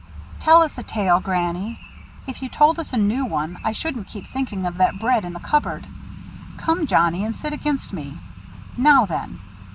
"Tell us a tale, Granny. If you told us a new one, I shouldn't keep thinking of that bread in the cupboard. Come, Johnnie, and sit against me. Now then!"